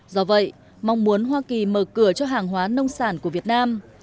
do vậy mong muốn hoa kỳ mở cửa cho hàng hóa nông sản của việt nam